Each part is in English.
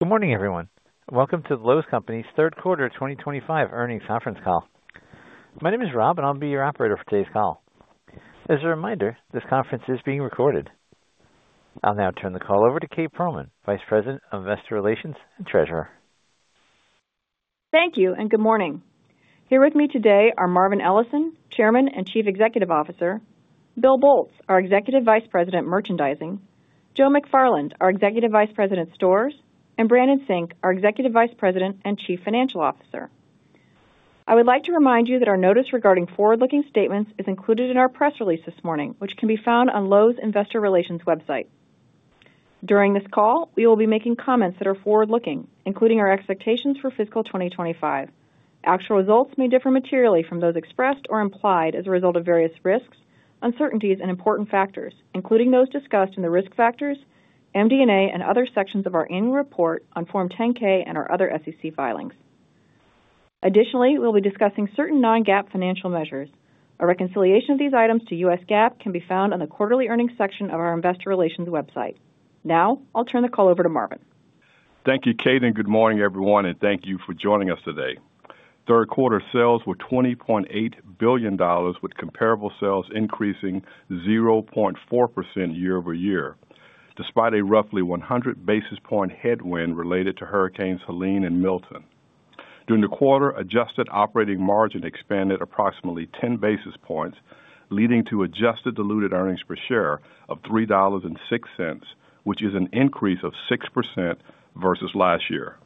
Good morning, everyone. Welcome to Lowe's Company's third quarter 2025 earnings conference call. My name is Rob, and I'll be your operator for today's call. As a reminder, this conference is being recorded. I'll now turn the call over to Kate Pearlman, Vice President of Investor Relations and Treasurer. Thank you, and good morning. Here with me today are Marvin Ellison, Chairman and Chief Executive Officer; Bill Boltz, our Executive Vice President, Merchandising; Joe McFarland, our Executive Vice President, Stores; and Brandon Sink, our Executive Vice President and Chief Financial Officer. I would like to remind you that our notice regarding forward-looking statements is included in our press release this morning, which can be found on Lowe's Investor Relations website. During this call, we will be making comments that are forward-looking, including our expectations for fiscal 2025. Actual results may differ materially from those expressed or implied as a result of various risks, uncertainties, and important factors, including those discussed in the risk factors, MD&A, and other sections of our annual report on Form 10-K and our other SEC filings. Additionally, we'll be discussing certain non-GAAP financial measures. A reconciliation of these items to U.S. GAAP can be found on the quarterly earnings section of our Investor Relations website. Now, I'll turn the call over to Marvin. Thank you, Kate, and good morning, everyone, and thank you for joining us today. Third quarter sales were $20.8 billion, with comparable sales increasing 0.4% year-over-year, despite a roughly 100 basis point headwind related to Hurricanes Helene and Milton. During the quarter, adjusted operating margin expanded approximately 10 basis points, leading to adjusted diluted earnings per share of $3.06, which is an increase of 6% versus last year.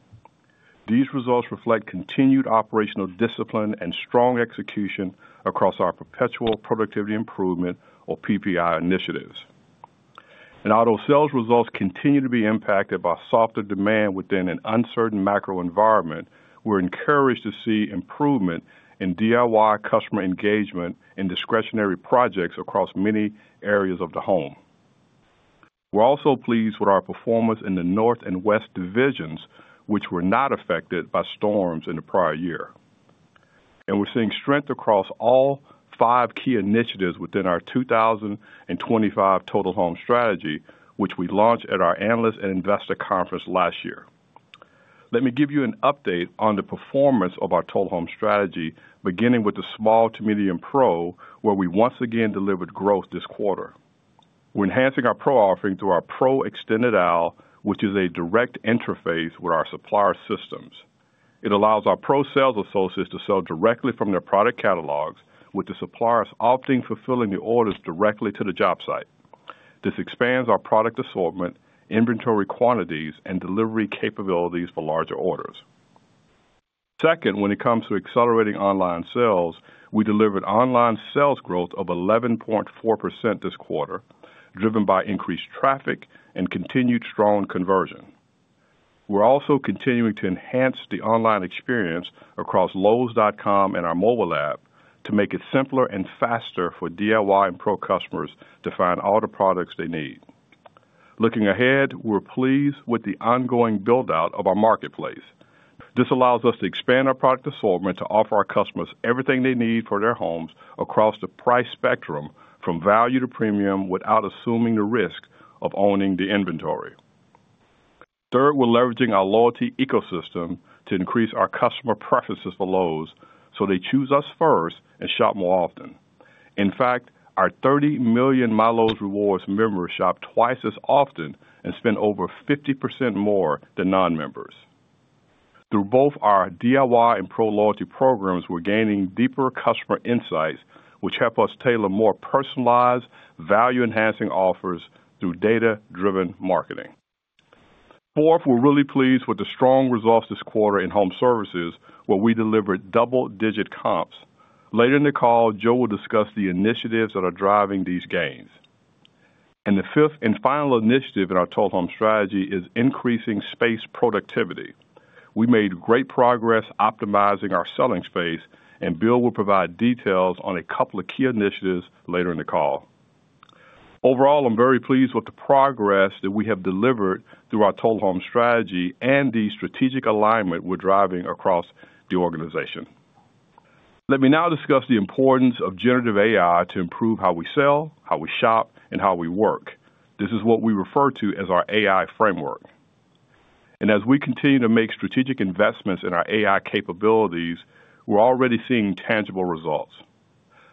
These results reflect continued operational discipline and strong execution across our Perpetual Productivity Improvement, or PPI, initiatives. Although sales results continue to be impacted by softer demand within an uncertain macro environment, we're encouraged to see improvement in DIY customer engagement and discretionary projects across many areas of the home. We're also pleased with our performance in the North and West divisions, which were not affected by storms in the prior year. We are seeing strength across all five key initiatives within our 2025 Total Home Strategy, which we launched at our Analysts and Investors Conference last year. Let me give you an update on the performance of our Total Home Strategy, beginning with the small to medium pro, where we once again delivered growth this quarter. We are enhancing our pro offering through our Pro Extended Aisle, which is a direct interface with our supplier systems. It allows our pro sales associates to sell directly from their product catalogs, with the suppliers opting for filling the orders directly to the job site. This expands our product assortment, inventory quantities, and delivery capabilities for larger orders. Second, when it comes to accelerating online sales, we delivered online sales growth of 11.4% this quarter, driven by increased traffic and continued strong conversion. We're also continuing to enhance the online experience across lowes.com and our mobile app to make it simpler and faster for DIY and pro customers to find all the products they need. Looking ahead, we're pleased with the ongoing build-out of our marketplace. This allows us to expand our product assortment to offer our customers everything they need for their homes across the price spectrum, from value to premium, without assuming the risk of owning the inventory. Third, we're leveraging our loyalty ecosystem to increase our customer preferences for Lowe's, so they choose us first and shop more often. In fact, our 30 million MyLowe's Rewards members shop twice as often and spend over 50% more than non-members. Through both our DIY and pro loyalty programs, we're gaining deeper customer insights, which help us tailor more personalized, value-enhancing offers through data-driven marketing. Fourth, we're really pleased with the strong results this quarter in home services, where we delivered double-digit comps. Later in the call, Joe will discuss the initiatives that are driving these gains. The fifth and final initiative in our total home strategy is increasing space productivity. We made great progress optimizing our selling space, and Bill will provide details on a couple of key initiatives later in the call. Overall, I'm very pleased with the progress that we have delivered through our total home strategy and the strategic alignment we're driving across the organization. Let me now discuss the importance of generative AI to improve how we sell, how we shop, and how we work. This is what we refer to as our AI framework. As we continue to make strategic investments in our AI capabilities, we're already seeing tangible results.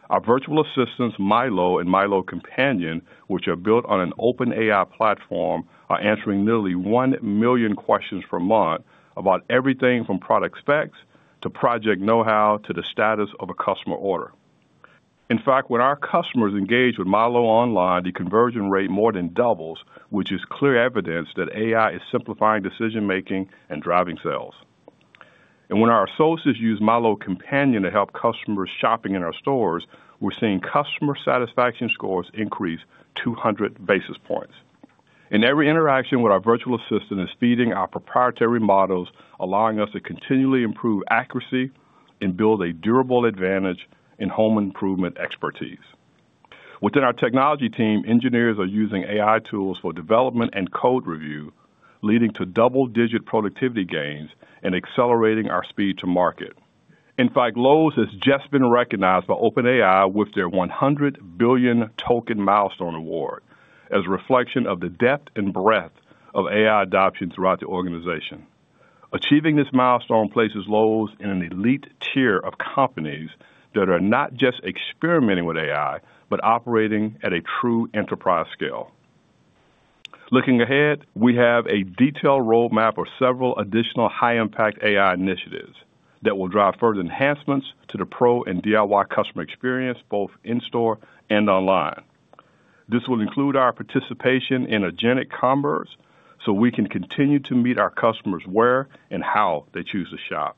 Our virtual assistants, Mylow and Mylow Companion, which are built on an OpenAI platform, are answering nearly 1 million questions per month about everything from product specs to project know-how to the status of a customer order. In fact, when our customers engage with Mylow online, the conversion rate more than doubles, which is clear evidence that AI is simplifying decision-making and driving sales. When our associates use Mylow Companion to help customers shopping in our stores, we are seeing customer satisfaction scores increase 200 basis points. Every interaction with our virtual assistant is feeding our proprietary models, allowing us to continually improve accuracy and build a durable advantage in home improvement expertise. Within our technology team, engineers are using AI tools for development and code review, leading to double-digit productivity gains and accelerating our speed to market. In fact, Lowe's has just been recognized by OpenAI with their 100 billion token milestone award, as a reflection of the depth and breadth of AI adoption throughout the organization. Achieving this milestone places Lowe's in an elite tier of companies that are not just experimenting with AI, but operating at a true enterprise scale. Looking ahead, we have a detailed roadmap of several additional high-impact AI initiatives that will drive further enhancements to the pro and DIY customer experience, both in store and online. This will include our participation in organic commerce, so we can continue to meet our customers where and how they choose to shop.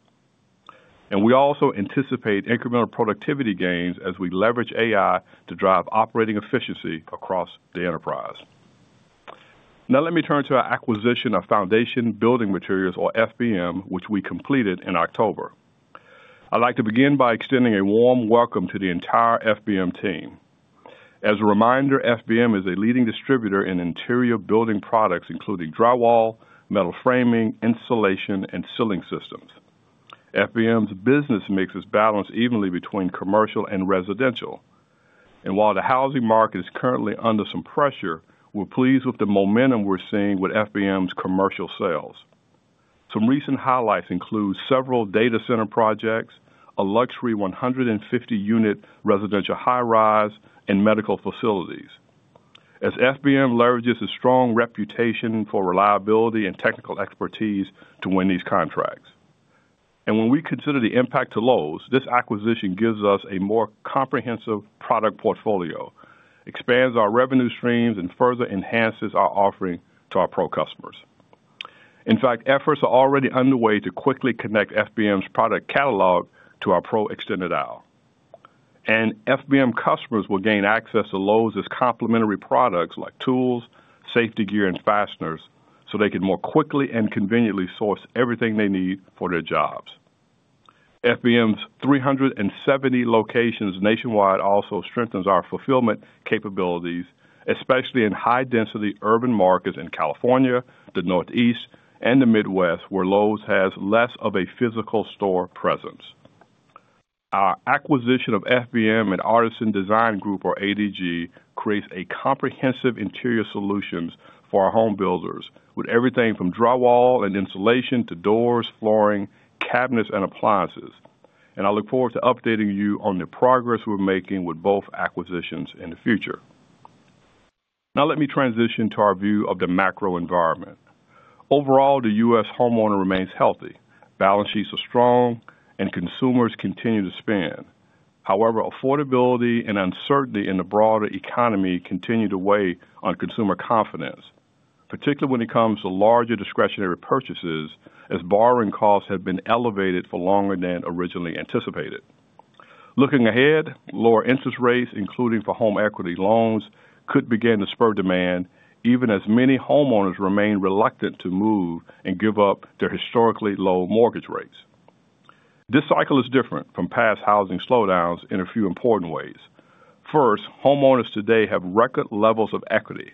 We also anticipate incremental productivity gains as we leverage AI to drive operating efficiency across the enterprise. Now, let me turn to our acquisition of Foundation Building Materials, or FBM, which we completed in October. I'd like to begin by extending a warm welcome to the entire FBM team. As a reminder, FBM is a leading distributor in interior building products, including drywall, metal framing, insulation, and ceiling systems. FBM's business mixes balance evenly between commercial and residential. While the housing market is currently under some pressure, we're pleased with the momentum we're seeing with FBM's commercial sales. Some recent highlights include several data center projects, a luxury 150-unit residential high-rise, and medical facilities. FBM leverages its strong reputation for reliability and technical expertise to win these contracts. When we consider the impact to Lowe's, this acquisition gives us a more comprehensive product portfolio, expands our revenue streams, and further enhances our offering to our pro customers. In fact, efforts are already underway to quickly connect FBM's product catalog to our Pro Extended Aisle. FBM customers will gain access to Lowe's complementary products like tools, safety gear, and fasteners, so they can more quickly and conveniently source everything they need for their jobs. FBM's 370 locations nationwide also strengthens our fulfillment capabilities, especially in high-density urban markets in California, the Northeast, and the Midwest, where Lowe's has less of a physical store presence. Our acquisition of FBM and Artisan Design Group, or ADG, creates comprehensive interior solutions for our home builders, with everything from drywall and insulation to doors, flooring, cabinets, and appliances. I look forward to updating you on the progress we're making with both acquisitions in the future. Now, let me transition to our view of the macro environment. Overall, the U.S. home owner remains healthy. Balance sheets are strong, and consumers continue to spend. However, affordability and uncertainty in the broader economy continue to weigh on consumer confidence, particularly when it comes to larger discretionary purchases, as borrowing costs have been elevated for longer than originally anticipated. Looking ahead, lower interest rates, including for home equity loans, could begin to spur demand, even as many homeowners remain reluctant to move and give up their historically low mortgage rates. This cycle is different from past housing slowdowns in a few important ways. First, homeowners today have record levels of equity,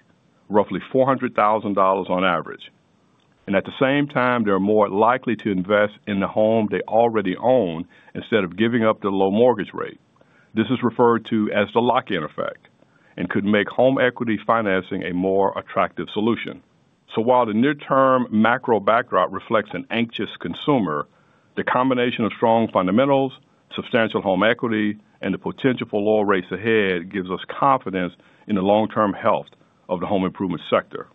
roughly $400,000 on average. At the same time, they are more likely to invest in the home they already own instead of giving up the low mortgage rate. This is referred to as the lock-in effect and could make home equity financing a more attractive solution. While the near-term macro backdrop reflects an anxious consumer, the combination of strong fundamentals, substantial home equity, and the potential for lower rates ahead gives us confidence in the long-term health of the home improvement sector.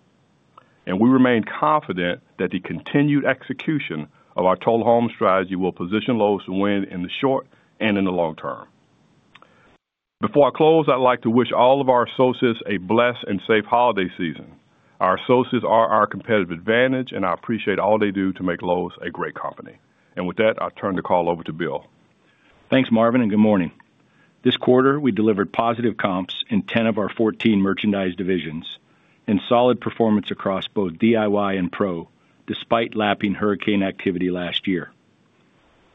We remain confident that the continued execution of our total home strategy will position Lowe's to win in the short and in the long term. Before I close, I'd like to wish all of our associates a blessed and safe holiday season. Our associates are our competitive advantage, and I appreciate all they do to make Lowe's a great company. With that, I'll turn the call over to Bill. Thanks, Marvin, and good morning. This quarter, we delivered positive comps in 10 of our 14 merchandise divisions and solid performance across both DIY and Pro, despite lapping hurricane activity last year.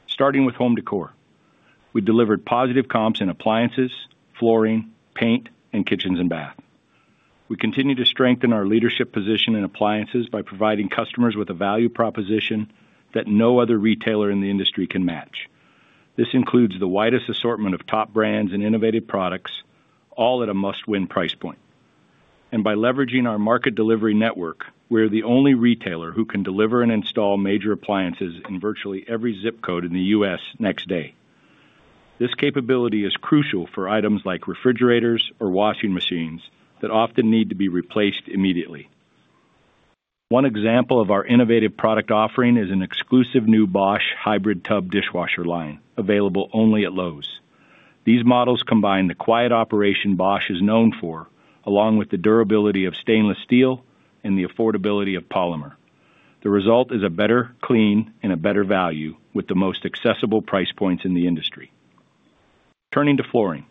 Starting with home decor, we delivered positive comps in appliances, flooring, paint, and kitchens and bath. We continue to strengthen our leadership position in appliances by providing customers with a value proposition that no other retailer in the industry can match. This includes the widest assortment of top brands and innovative products, all at a must-win price point. By leveraging our market delivery network, we are the only retailer who can deliver and install major appliances in virtually every zip code in the U.S. next day. This capability is crucial for items like refrigerators or washing machines that often need to be replaced immediately. One example of our innovative product offering is an exclusive new Bosch hybrid tub dishwasher line, available only at Lowe's. These models combine the quiet operation Bosch is known for, along with the durability of stainless steel and the affordability of polymer. The result is a better, cleaner, and a better value with the most accessible price points in the industry. Turning to flooring,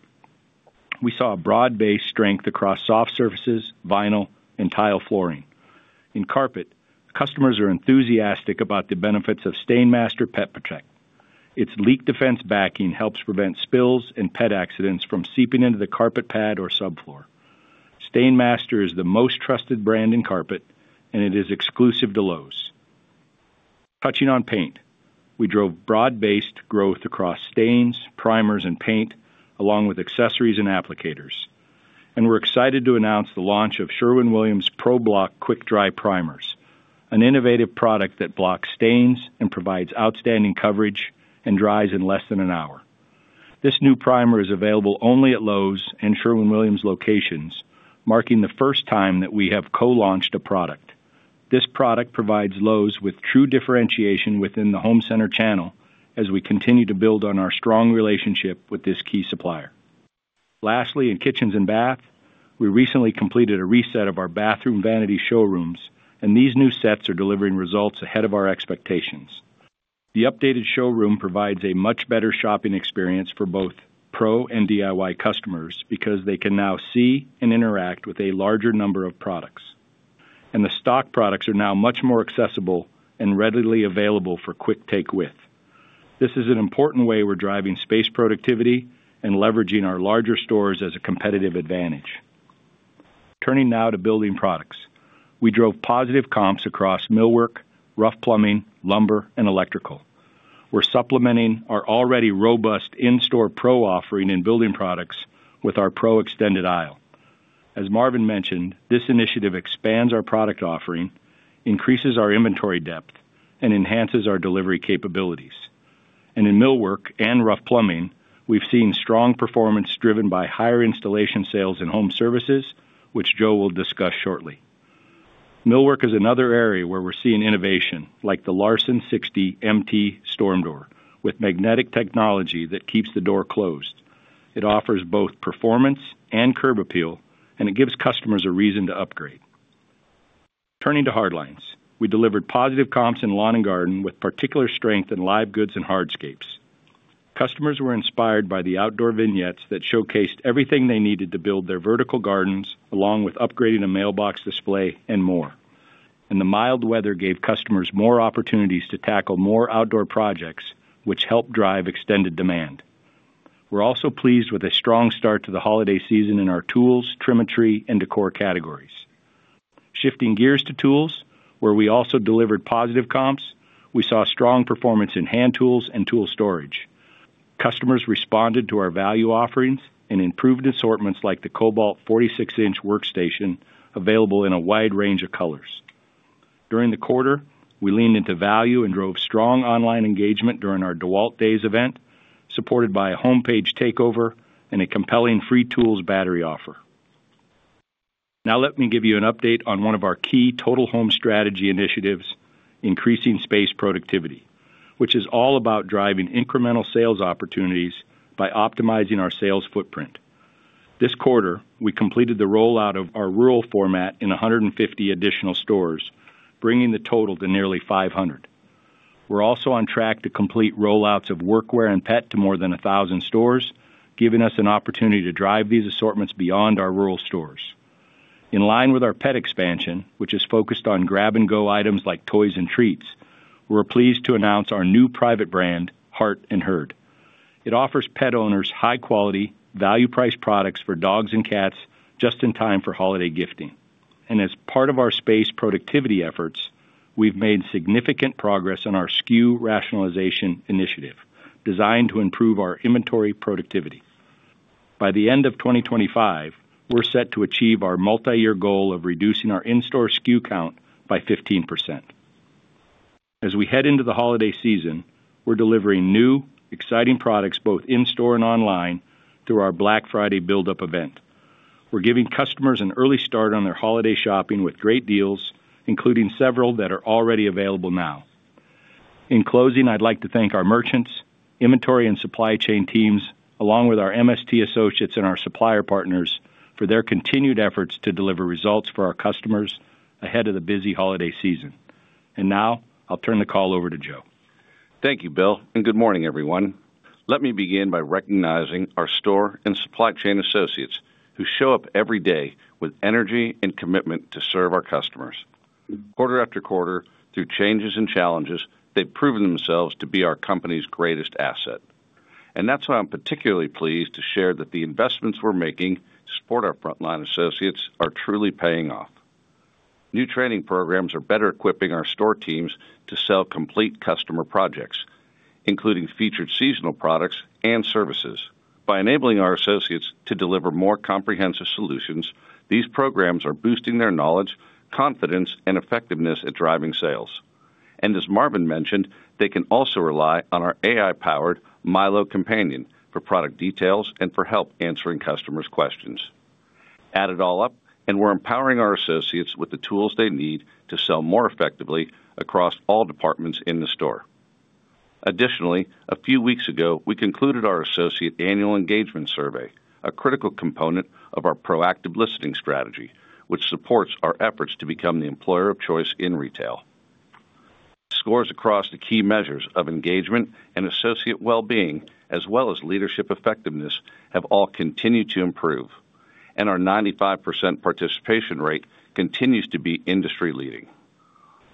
we saw a broad base strength across soft surfaces, vinyl, and tile flooring. In carpet, customers are enthusiastic about the benefits of STAINMASTER Pet Protect. Its leak defense backing helps prevent spills and pet accidents from seeping into the carpet pad or subfloor. STAINMASTER is the most trusted brand in carpet, and it is exclusive to Lowe's. Touching on paint, we drove broad-based growth across stains, primers, and paint, along with accessories and applicators. We are excited to announce the launch of Sherwin-Williams Pro Block Quick Dry Primers, an innovative product that blocks stains and provides outstanding coverage and dries in less than an hour. This new primer is available only at Lowe's and Sherwin-Williams locations, marking the first time that we have co-launched a product. This product provides Lowe's with true differentiation within the home center channel as we continue to build on our strong relationship with this key supplier. Lastly, in kitchens and bath, we recently completed a reset of our bathroom vanity showrooms, and these new sets are delivering results ahead of our expectations. The updated showroom provides a much better shopping experience for both pro and DIY customers because they can now see and interact with a larger number of products. The stock products are now much more accessible and readily available for quick take with. This is an important way we're driving space productivity and leveraging our larger stores as a competitive advantage. Turning now to building products, we drove positive comps across millwork, rough plumbing, lumber, and electrical. We're supplementing our already robust in-store pro offering in building products with our Pro Extended Aisle. As Marvin mentioned, this initiative expands our product offering, increases our inventory depth, and enhances our delivery capabilities. In millwork and rough plumbing, we've seen strong performance driven by higher installation sales and home services, which Joe will discuss shortly. Millwork is another area where we're seeing innovation, like the Larson 60 MT Storm Door, with magnetic technology that keeps the door closed. It offers both performance and curb appeal, and it gives customers a reason to upgrade. Turning to hard lines, we delivered positive comps in lawn and garden with particular strength in live goods and hardscapes. Customers were inspired by the outdoor vignettes that showcased everything they needed to build their vertical gardens, along with upgrading a mailbox display and more. The mild weather gave customers more opportunities to tackle more outdoor projects, which helped drive extended demand. We're also pleased with a strong start to the holiday season in our tools, trimmetry, and decor categories. Shifting gears to tools, where we also delivered positive comps, we saw strong performance in hand tools and tool storage. Customers responded to our value offerings and improved assortments like the Kobalt 46-inch workstation available in a wide range of colors. During the quarter, we leaned into value and drove strong online engagement during our DEWALT Days event, supported by a homepage takeover and a compelling free tools battery offer. Now, let me give you an update on one of our key Total Home Strategy initiatives, increasing space productivity, which is all about driving incremental sales opportunities by optimizing our sales footprint. This quarter, we completed the rollout of our rural format in 150 additional stores, bringing the total to nearly 500. We're also on track to complete rollouts of workwear and pet to more than 1,000 stores, giving us an opportunity to drive these assortments beyond our rural stores. In line with our pet expansion, which is focused on grab-and-go items like toys and treats, we're pleased to announce our new private brand, Heart & Herd. It offers pet owners high-quality, value-priced products for dogs and cats just in time for holiday gifting. As part of our space productivity efforts, we've made significant progress on our SKU rationalization initiative, designed to improve our inventory productivity. By the end of 2025, we're set to achieve our multi-year goal of reducing our in-store SKU count by 15%. As we head into the holiday season, we're delivering new, exciting products both in-store and online through our Black Friday build-up event. We're giving customers an early start on their holiday shopping with great deals, including several that are already available now. In closing, I'd like to thank our merchants, inventory and supply chain teams, along with our MST associates and our supplier partners for their continued efforts to deliver results for our customers ahead of the busy holiday season. Now, I'll turn the call over to Joe. Thank you, Bill. Good morning, everyone. Let me begin by recognizing our store and supply chain associates who show up every day with energy and commitment to serve our customers. Quarter after quarter, through changes and challenges, they've proven themselves to be our company's greatest asset. That is why I'm particularly pleased to share that the investments we're making to support our frontline associates are truly paying off. New training programs are better equipping our store teams to sell complete customer projects, including featured seasonal products and services. By enabling our associates to deliver more comprehensive solutions, these programs are boosting their knowledge, confidence, and effectiveness at driving sales. As Marvin mentioned, they can also rely on our AI-powered Mylow Companion for product details and for help answering customers' questions. Add it all up, and we're empowering our associates with the tools they need to sell more effectively across all departments in the store. Additionally, a few weeks ago, we concluded our associate annual engagement survey, a critical component of our proactive listening strategy, which supports our efforts to become the employer of choice in retail. Scores across the key measures of engagement and associate well-being, as well as leadership effectiveness, have all continued to improve, and our 95% participation rate continues to be industry-leading.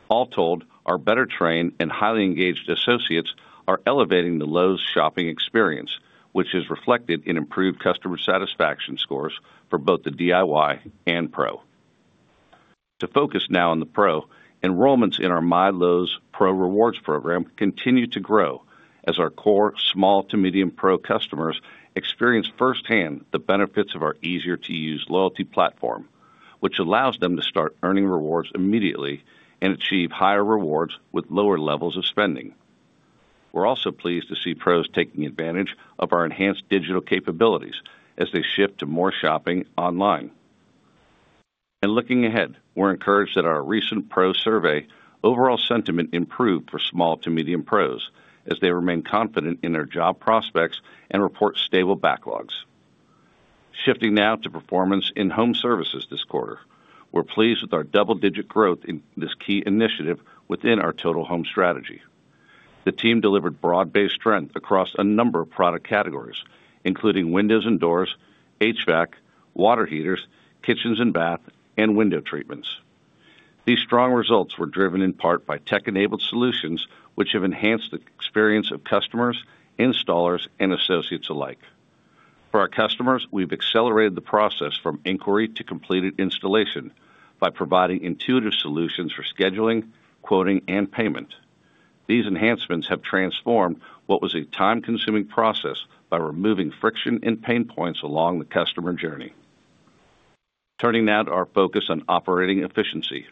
All told, our better-trained and highly engaged associates are elevating the Lowe's shopping experience, which is reflected in improved customer satisfactio scores for both the DIY and Pro. To focus now on the pro, enrollments in our MyLowe's Pro Rewards program continue to grow as our core small to medium pro customers experience firsthand the benefits of our easier-to-use loyalty platform, which allows them to start earning rewards immediately and achieve higher rewards with lower levels of spending. We're also pleased to see pros taking advantage of our enhanced digital capabilities as they shift to more shopping online. Looking ahead, we're encouraged that our recent pro survey overall sentiment improved for small to medium pros as they remain confident in their job prospects and report stable backlogs. Shifting now to performance in home services this quarter, we're pleased with our double-digit growth in this key initiative within our Total Home Strategy. The team delivered broad-based strength across a number of product categories, including windows and doors, HVAC, water heaters, kitchens and bath, and window treatments. These strong results were driven in part by tech-enabled solutions, which have enhanced the experience of customers, installers, and associates alike. For our customers, we've accelerated the process from inquiry to completed installation by providing intuitive solutions for scheduling, quoting, and payment. These enhancements have transformed what was a time-consuming process by removing friction and pain points along the customer journey. Turning now to our focus on operating efficiency,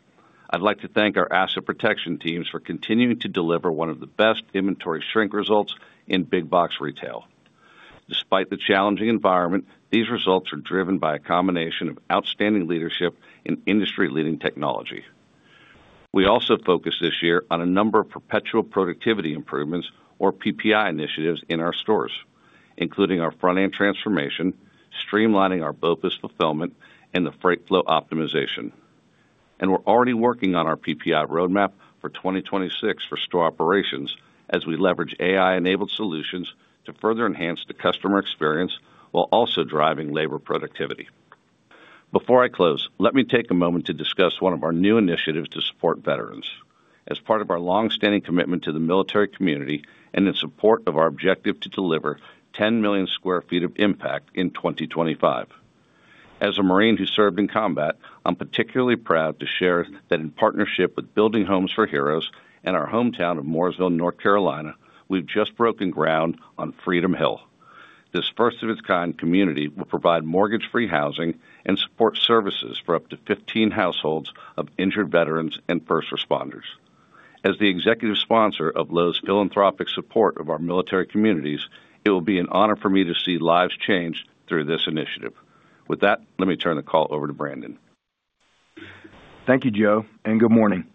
I'd like to thank our asset protection teams for continuing to deliver one of the best inventory shrink results in big box retail. Despite the challenging environment, these results are driven by a combination of outstanding leadership and industry-leading technology. We also focused this year on a number of perpetual productivity improvements, or PPI, initiatives in our stores, including our front-end transformation, streamlining our BOPIS fulfillment, and the freight flow optimization. We are already working on our PPI roadmap for 2026 for store operations as we leverage AI-enabled solutions to further enhance the customer experience while also driving labor productivity. Before I close, let me take a moment to discuss one of our new initiatives to support veterans as part of our long-standing commitment to the military community and in support of our objective to deliver 10 million sq ft of impact in 2025. As a Marine who served in combat, I'm particularly proud to share that in partnership with Building Homes for Heroes and our hometown of Mooresville, North Carolina, we have just broken ground on Freedom Hill. This first-of-its-kind community will provide mortgage-free housing and support services for up to 15 households of injured veterans and first responders. As the executive sponsor of Lowe's philanthropic support of our military communities, it will be an honor for me to see lives changed through this initiative. With that, let me turn the call over to Brandon. Thank you, Joe, and good morning.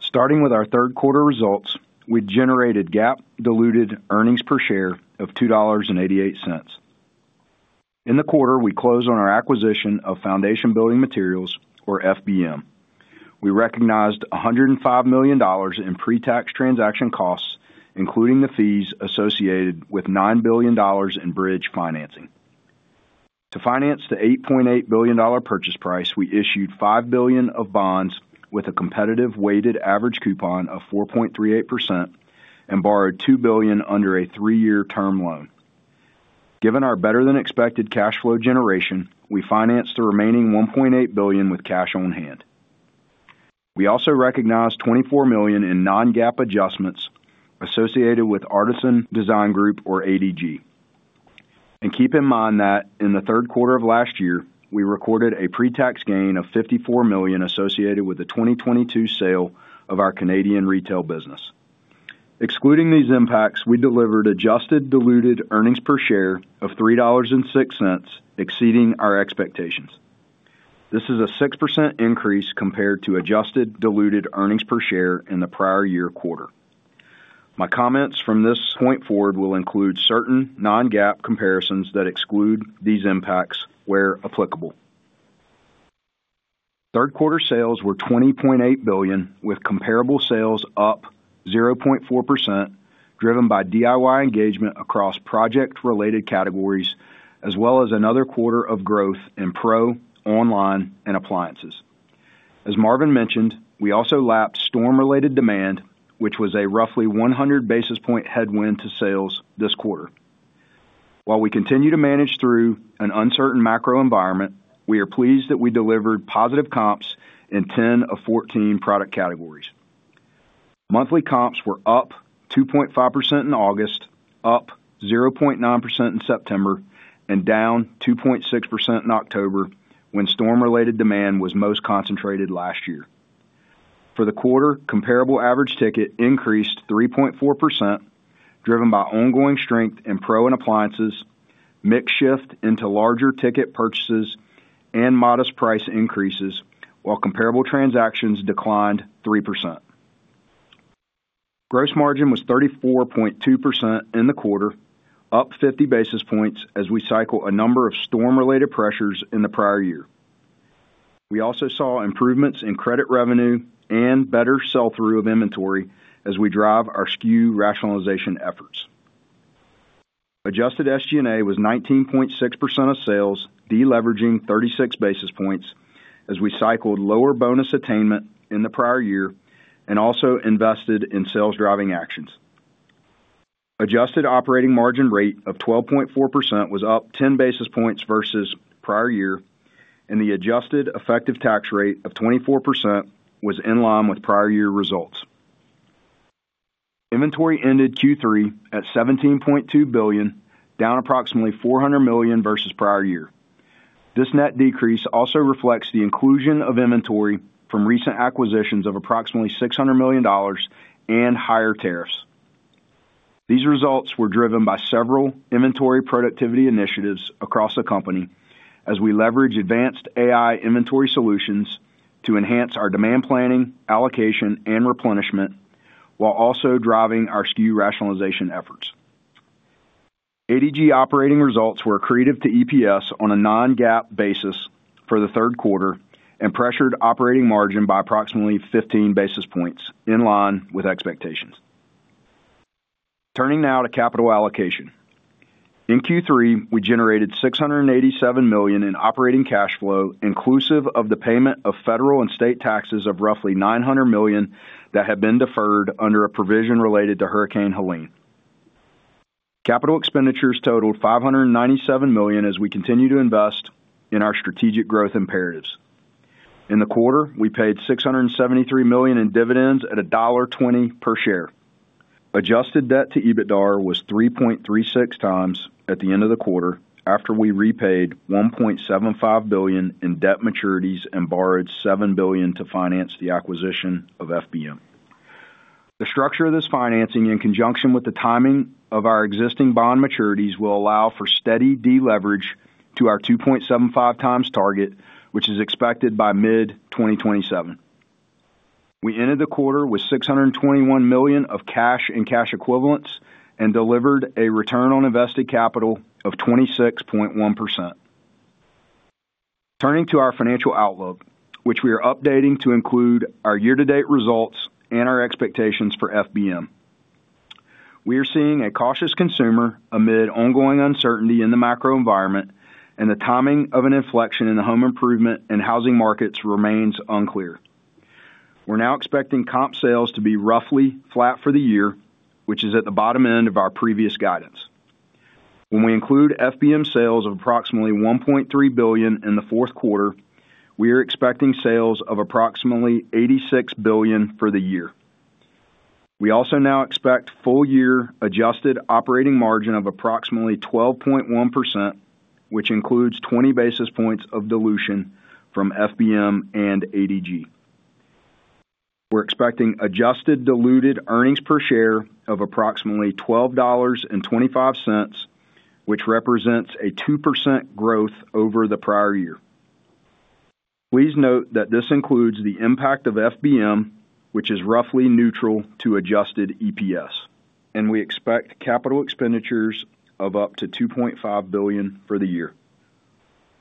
Starting with our third quarter results, we generated GAAP-diluted earnings per share of $2.88. In the quarter, we closed on our acquisition of Foundation Building Materials, or FBM. We recognized $105 million in pre-tax transaction costs, including the fees associated with $9 billion in bridge financing. To finance the $8.8 billion purchase price, we issued $5 billion of bonds with a competitive weighted average coupon of 4.38% and borrowed $2 billion under a three-year term loan. Given our better-than-expected cash flow generation, we financed the remaining $1.8 billion with cash on hand. We also recognized $24 million in non-GAAP adjustments associated with Artisan Design Group, or ADG. Keep in mind that in the third quarter of last year, we recorded a pre-tax gain of $54 million associated with the 2022 sale of our Canadian retail business. Excluding these impacts, we delivered adjusted diluted earnings per share of $3.06, exceeding our expectations. This is a 6% increase compared to adjusted diluted earnings per share in the prior year quarter. My comments from this point forward will include certain non-GAAP comparisons that exclude these impacts where applicable. Third quarter sales were $20.8 billion, with comparable sales up 0.4%, driven by DIY engagement across project-related categories, as well as another quarter of growth in pro, online, and appliances. As Marvin mentioned, we also lapped storm-related demand, which was a roughly 100 basis point headwind to sales this quarter. While we continue to manage through an uncertain macro environment, we are pleased that we delivered positive comps in 10 of 14 product categories. Monthly comps were up 2.5% in August, up 0.9% in September, and down 2.6% in October when storm-related demand was most concentrated last year. For the quarter, comparable average ticket increased 3.4%, driven by ongoing strength in pro and appliances, mixed shift into larger ticket purchases, and modest price increases, while comparable transactions declined 3%. Gross margin was 34.2% in the quarter, up 50 basis points as we cycle a number of storm-related pressures in the prior year. We also saw improvements in credit revenue and better sell-through of inventory as we drive our SKU rationalization efforts. Adjusted SG&A was 19.6% of sales, deleveraging 36 basis points as we cycled lower bonus attainment in the prior year and also invested in sales-driving actions. Adjusted operating margin rate of 12.4% was up 10 basis points versus prior year, and the adjusted effective tax rate of 24% was in line with prior year results. Inventory ended Q3 at $17.2 billion, down approximately $400 million versus prior year. This net decrease also reflects the inclusion of inventory from recent acquisitions of approximately $600 million and higher tariffs. These results were driven by several inventory productivity initiatives across the company as we leverage advanced AI inventory solutions to enhance our demand planning, allocation, and replenishment, while also driving our SKU rationalization efforts. ADG operating results were accretive to EPS on a non-GAAP basis for the third quarter and pressured operating margin by approximately 15 basis points, in line with expectations. Turning now to capital allocation. In Q3, we generated $687 million in operating cash flow, inclusive of the payment of federal and state taxes of roughly $900 million that had been deferred under a provision related to Hurricane Helene. Capital expenditures totaled $597 million as we continue to invest in our strategic growth imperatives. In the quarter, we paid $673 million in dividends at $1.20 per share. Adjusted debt to EBITDA was 3.36 times at the end of the quarter after we repaid $1.75 billion in debt maturities and borrowed $7 billion to finance the acquisition of FBM. The structure of this financing, in conjunction with the timing of our existing bond maturities, will allow for steady deleverage to our 2.75 times target, which is expected by mid-2027. We ended the quarter with $621 million of cash and cash equivalents and delivered a return on invested capital of 26.1%. Turning to our financial outlook, which we are updating to include our year-to-date results and our expectations for FBM. We are seeing a cautious consumer amid ongoing uncertainty in the macro environment, and the timing of an inflection in the home improvement and housing markets remains unclear. We're now expecting comp sales to be roughly flat for the year, which is at the bottom end of our previous guidance. When we include FBM sales of approximately $1.3 billion in the fourth quarter, we are expecting sales of approximately $86 billion for the year. We also now expect full-year adjusted operating margin of approximately 12.1%, which includes 20 basis points of dilution from FBM and ADG. We're expecting adjusted diluted earnings per share of approximately $12.25, which represents a 2% growth over the prior year. Please note that this includes the impact of FBM, which is roughly neutral to adjusted EPS, and we expect capital expenditures of up to $2.5 billion for the year.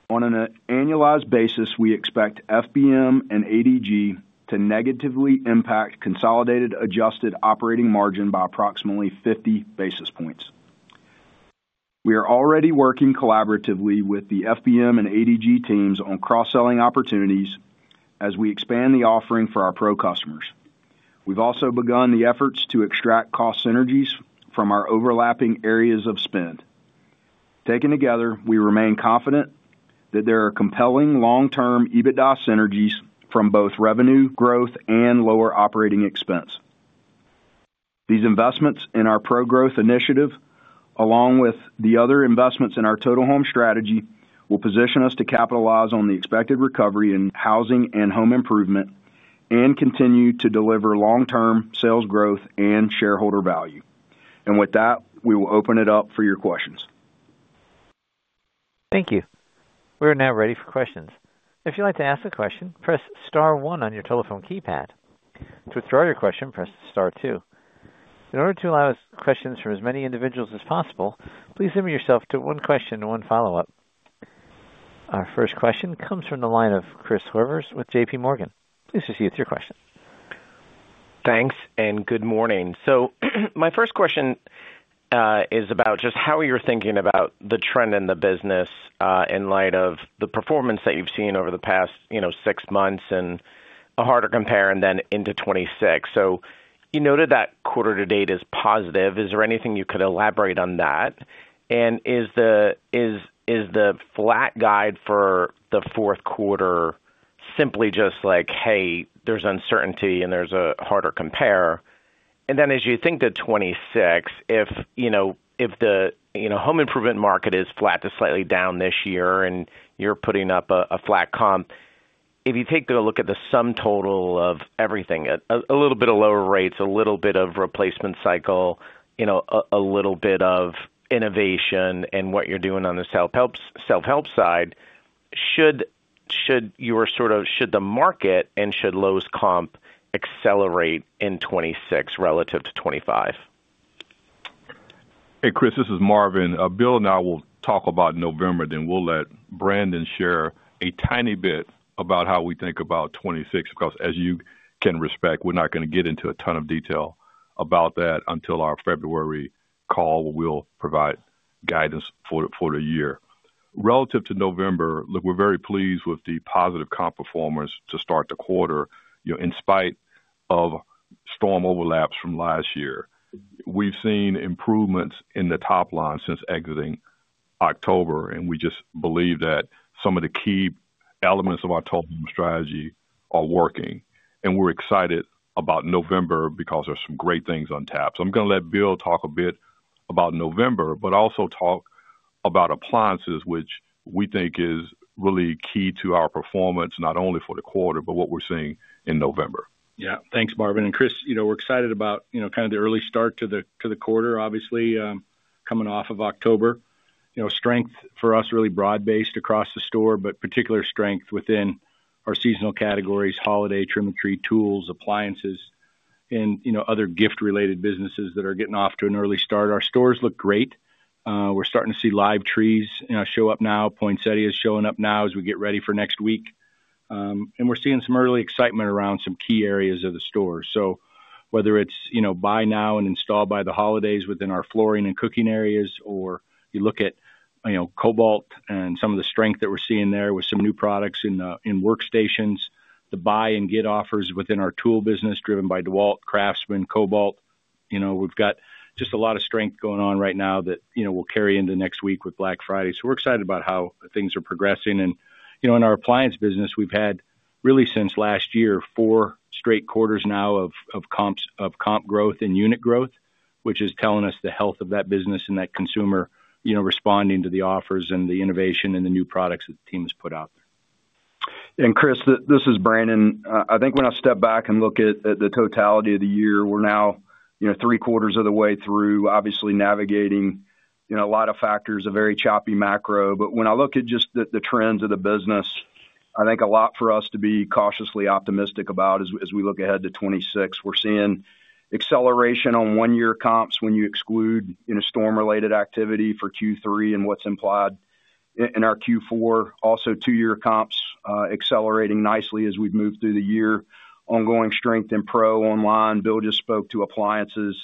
On an annualized basis, we expect FBM and ADG to negatively impact consolidated adjusted operating margin by approximately 50 basis points. We are already working collaboratively with the FBM and ADG teams on cross-selling opportunities as we expand the offering for our pro customers. We have also begun the efforts to extract cost synergies from our overlapping areas of spend. Taken together, we remain confident that there are compelling long-term EBITDA synergies from both revenue growth and lower operating expense. These investments in our pro growth initiative, along with the other investments in our total home strategy, will position us to capitalize on the expected recovery in housing and home improvement and continue to deliver long-term sales growth and shareholder value. With that, we will open it up for your questions. Thank you. We are now ready for questions. If you'd like to ask a question, press star one on your telephone keypad. To withdraw your question, press star two. In order to allow us questions from as many individuals as possible, please limit yourself to one question and one follow-up. Our first question comes from the line of Chris Horvers with JPMorgan. Please proceed with your question. Thanks, and good morning. My first question is about just how you're thinking about the trend in the business in light of the performance that you've seen over the past six months and a harder compare and then into 2026. You noted that quarter-to-date is positive. Is there anything you could elaborate on that? Is the flat guide for the fourth quarter simply just like, "Hey, there's uncertainty and there's a harder compare"? As you think to 2026, if the home improvement market is flat to slightly down this year and you're putting up a flat comp, if you take a look at the sum total of everything, a little bit of lower rates, a little bit of replacement cycle, a little bit of innovation in what you're doing on the self-help side, should the market and should Lowe's comp accelerate in 2026 relative to 2025? Hey, Chris, this is Marvin. Bill and I will talk about November, then we'll let Brandon share a tiny bit about how we think about 2026 because, as you can respect, we're not going to get into a ton of detail about that until our February call where we'll provide guidance for the year. Relative to November, look, we're very pleased with the positive comp performance to start the quarter in spite of storm overlaps from last year. We've seen improvements in the top line since exiting October, and we just believe that some of the key elements of our total home strategy are working. We're excited about November because there's some great things untapped. I'm going to let Bill talk a bit about November, but also talk about appliances, which we think is really key to our performance, not only for the quarter, but what we're seeing in November. Yeah. Thanks, Marvin. Chris, we're excited about kind of the early start to the quarter, obviously, coming off of October. Strength for us, really broad-based across the store, but particular strength within our seasonal categories, holiday, trimmetry, tools, appliances, and other gift-related businesses that are getting off to an early start. Our stores look great. We're starting to see live trees show up now. Poinsettias showing up now as we get ready for next week. We're seeing some early excitement around some key areas of the store. Whether it's buy now and install by the holidays within our flooring and cooking areas, or you look at Kobalt and some of the strength that we're seeing there with some new products in workstations, the buy-and-get offers within our tool business driven by DEWALT, CRAFTSMAN, Kobalt. We've got just a lot of strength going on right now that we'll carry into next week with Black Friday. We are excited about how things are progressing. In our appliance business, we've had, really since last year, four straight quarters now of comp growth and unit growth, which is telling us the health of that business and that consumer responding to the offers and the innovation and the new products that the team has put out there. Chris, this is Brandon. I think when I step back and look at the totality of the year, we're now three quarters of the way through, obviously navigating a lot of factors, a very choppy macro. When I look at just the trends of the business, I think a lot for us to be cautiously optimistic about as we look ahead to 2026. We're seeing acceleration on one-year comps when you exclude storm-related activity for Q3 and what's implied in our Q4. Also, two-year comps accelerating nicely as we've moved through the year. Ongoing strength in pro online. Bill just spoke to appliances.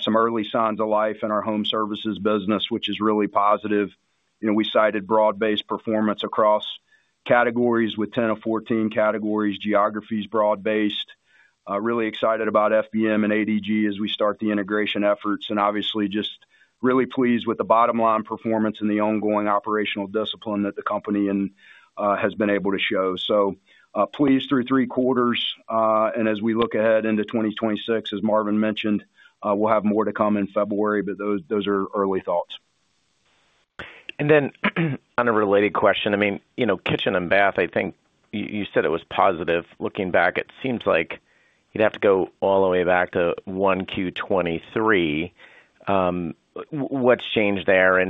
Some early signs of life in our home services business, which is really positive. We cited broad-based performance across categories with 10 of 14 categories, geographies broad-based. Really excited about FBM and ADG as we start the integration efforts. Obviously, just really pleased with the bottom-line performance and the ongoing operational discipline that the company has been able to show. Pleased through three quarters. As we look ahead into 2026, as Marvin mentioned, we'll have more to come in February, but those are early thoughts. On a related question, I mean, kitchen and bath, I think you said it was positive. Looking back, it seems like you'd have to go all the way back to 1Q 2023. What's changed there?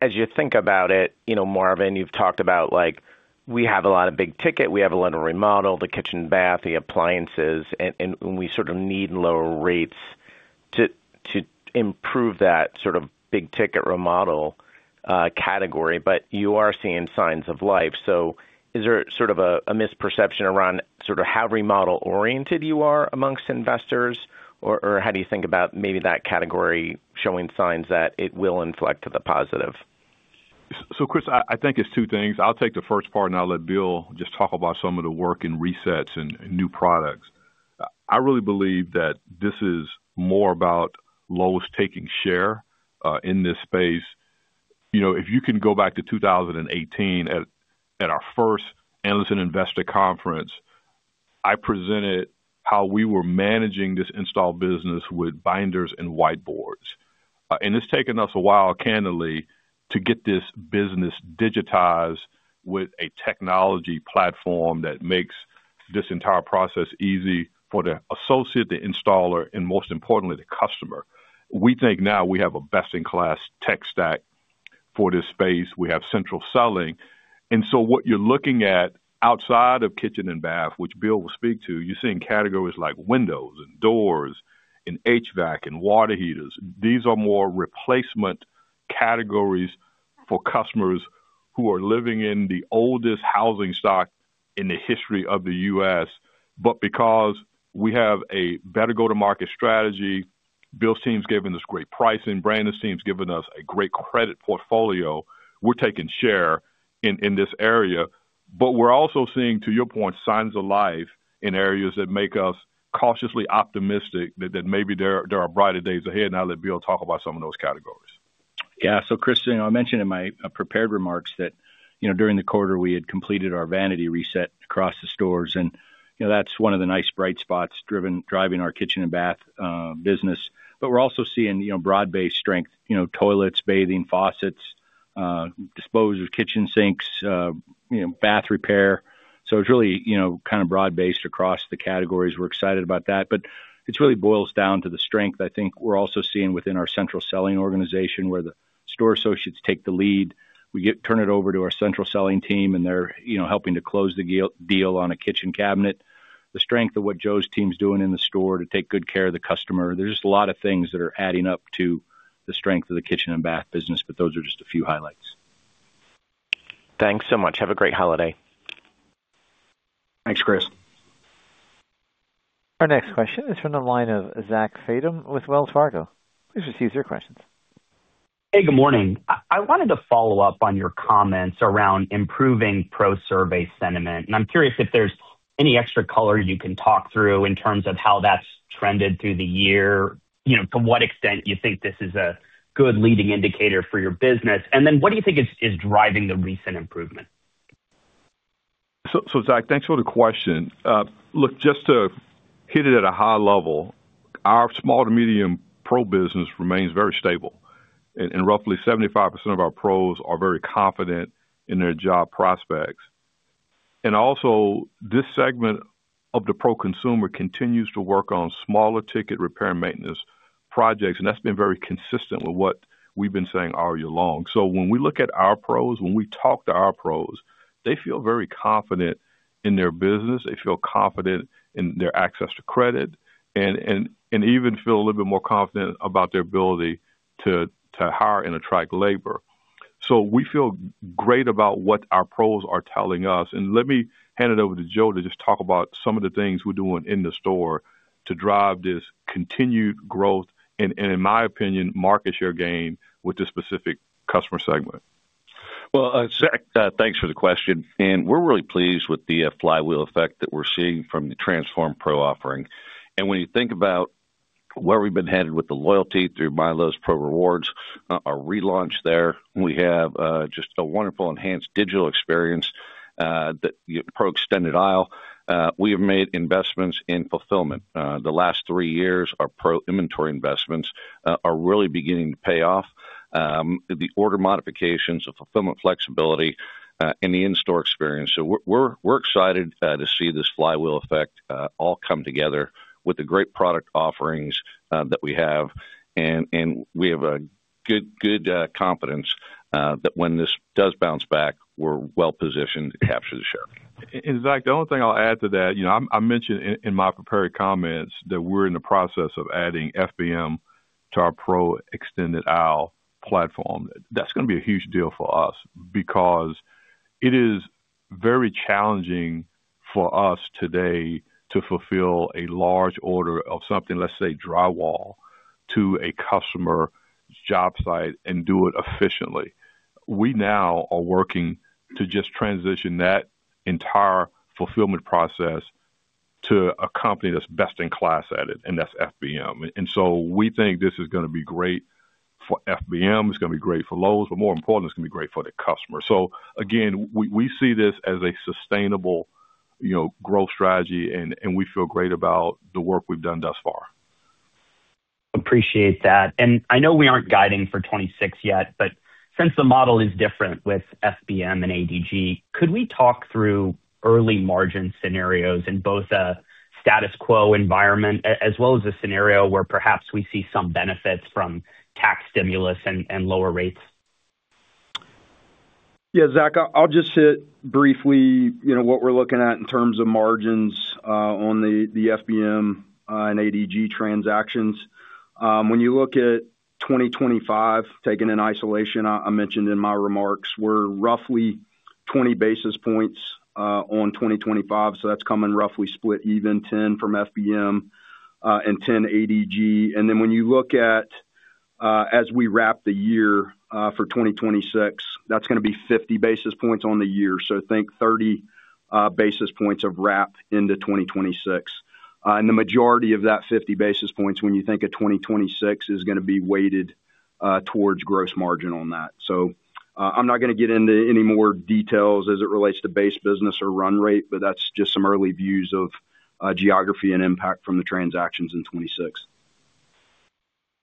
As you think about it, Marvin, you've talked about we have a lot of big ticket. We have a lot of remodel, the kitchen and bath, the appliances, and we sort of need lower rates to improve that sort of big-ticket remodel category. You are seeing signs of life. Is there sort of a misperception around sort of how remodel-oriented you are amongst investors, or how do you think about maybe that category showing signs that it will inflect to the positive? Chris, I think it's two things. I'll take the first part and I'll let Bill just talk about some of the work in resets and new products. I really believe that this is more about Lowe's taking share in this space. If you can go back to 2018 at our first analyst and investor conference, I presented how we were managing this install business with binders and whiteboards. It's taken us a while, candidly, to get this business digitized with a technology platform that makes this entire process easy for the associate, the installer, and most importantly, the customer. We think now we have a best-in-class tech stack for this space. We have central selling. What you're looking at outside of kitchen and bath, which Bill will speak to, you're seeing categories like windows and doors and HVAC and water heaters. These are more replacement categories for customers who are living in the oldest housing stock in the history of the U.S. Because we have a better go-to-market strategy, Bill's team's given us great pricing, Brandon's team's given us a great credit portfolio. We're taking share in this area. We're also seeing, to your point, signs of life in areas that make us cautiously optimistic that maybe there are brighter days ahead. Now let Bill talk about some of those categories. Yeah. Chris, I mentioned in my prepared remarks that during the quarter, we had completed our vanity reset across the stores. That's one of the nice bright spots driving our kitchen and bath business. We're also seeing broad-based strength, toilets, bathing, faucets, disposal of kitchen sinks, bath repair. It's really kind of broad-based across the categories. We're excited about that. It really boils down to the strength I think we're also seeing within our central selling organization where the store associates take the lead. We turn it over to our central selling team, and they're helping to close the deal on a kitchen cabinet. The strength of what Joe's team's doing in the store to take good care of the customer. There's just a lot of things that are adding up to the strength of the kitchen and bath business, but those are just a few highlights. Thanks so much. Have a great holiday. Thanks, Chris. Our next question is from the line of Zach Fadem with Wells Fargo. Please proceed with your questions. Hey, good morning. I wanted to follow up on your comments around improving pro survey sentiment. I am curious if there is any extra color you can talk through in terms of how that has trended through the year, to what extent you think this is a good leading indicator for your business. What do you think is driving the recent improvement? Zach, thanks for the question. Just to hit it at a high level, our small to medium pro business remains very stable. Roughly 75% of our pros are very confident in their job prospects. Also, this segment of the pro consumer continues to work on smaller ticket repair and maintenance projects. That has been very consistent with what we have been saying all year long. When we look at our pros, when we talk to our pros, they feel very confident in their business. They feel confident in their access to credit and even feel a little bit more confident about their ability to hire and attract labor. We feel great about what our pros are telling us. Let me hand it over to Joe to just talk about some of the things we're doing in the store to drive this continued growth and, in my opinion, market share gain with the specific customer segment. Zach, thanks for the question. We're really pleased with the flywheel effect that we're seeing from the Transform Pro offering. When you think about where we've been headed with the loyalty through MyLowe's Pro Rewards, our relaunch there, we have just a wonderful enhanced digital experience, that pro extended aisle. We have made investments in fulfillment. The last three years, our pro inventory investments are really beginning to pay off. The order modifications, the fulfillment flexibility, and the in-store experience. We're excited to see this flywheel effect all come together with the great product offerings that we have. We have good confidence that when this does bounce back, we're well-positioned to capture the share. In fact, the only thing I'll add to that, I mentioned in my prepared comments that we're in the process of adding FBM to our Pro Extended Aisle platform. That's going to be a huge deal for us because it is very challenging for us today to fulfill a large order of something, let's say, drywall to a customer's job site and do it efficiently. We now are working to just transition that entire fulfillment process to a company that's best in class at it, and that's FBM. We think this is going to be great for FBM. It's going to be great for Lowe's, but more importantly, it's going to be great for the customer. Again, we see this as a sustainable growth strategy, and we feel great about the work we've done thus far. Appreciate that. I know we aren't guiding for 2026 yet, but since the model is different with FBM and ADG, could we talk through early margin scenarios in both a status quo environment as well as a scenario where perhaps we see some benefits from tax stimulus and lower rates? Yeah, Zach, I'll just hit briefly what we're looking at in terms of margins on the FBM and ADG transactions. When you look at 2025, taking an isolation, I mentioned in my remarks, we're roughly 20 basis points on 2025. That's coming roughly split even, 10 from FBM and 10 ADG. When you look at as we wrap the year for 2026, that's going to be 50 basis points on the year. Think 30 basis points of wrap into 2026. The majority of that 50 basis points, when you think of 2026, is going to be weighted towards gross margin on that. I'm not going to get into any more details as it relates to base business or run rate, but that's just some early views of geography and impact from the transactions in 2026.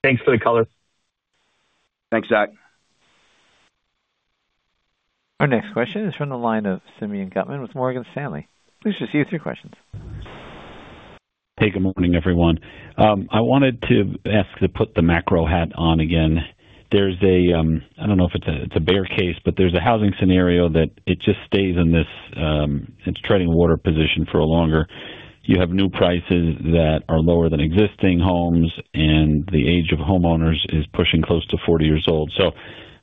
Thanks for the color. Thanks, Zach. Our next question is from the line of Simeon Gutman with Morgan Stanley. Please proceed with your questions. Hey, good morning, everyone. I wanted to ask to put the macro hat on again. There's a, I don't know if it's a bear case, but there's a housing scenario that it just stays in this treading water position for longer. You have new prices that are lower than existing homes, and the age of homeowners is pushing close to 40 years old.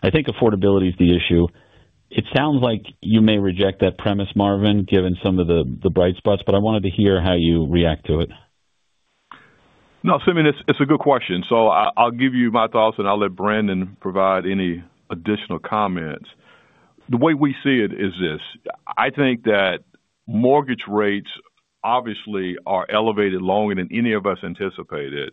I think affordability is the issue. It sounds like you may reject that premise, Marvin, given some of the bright spots, but I wanted to hear how you react to it. No, Simeon, it's a good question. I'll give you my thoughts, and I'll let Brandon provide any additional comments. The way we see it is this. I think that mortgage rates obviously are elevated longer than any of us anticipated.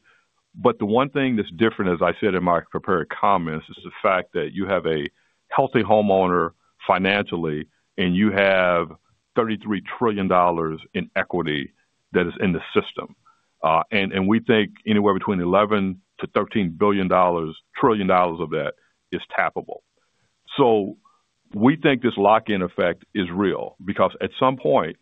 The one thing that's different, as I said in my prepared comments, is the fact that you have a healthy homeowner financially, and you have $33 trillion in equity that is in the system. We think anywhere between $11-$13 trillion of that is tappable. We think this lock-in effect is real because at some point,